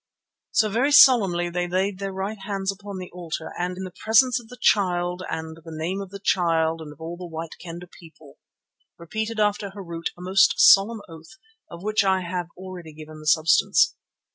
So very solemnly they laid their right hands upon the altar and "in the presence of the Child and the name of the Child and of all the White Kendah people," repeated after Harût a most solemn oath of which I have already given the substance.